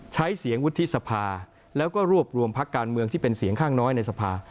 ใช้เสียงวุฒิสภาแล้วก็รวบรวมพักการเมืองที่เป็นเสียงข้างน้อยในสภา